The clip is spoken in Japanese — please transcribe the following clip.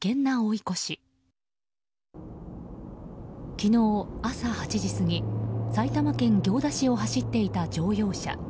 昨日朝８時過ぎ埼玉県行田市を走っていた乗用車。